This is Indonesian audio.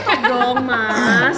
tidak ditutup dong mas